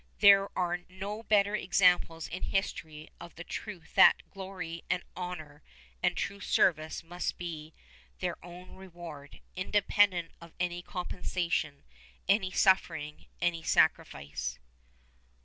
There are no better examples in history of the truth that glory and honor and true service must be their own reward, independent of any compensation, any suffering, any sacrifice.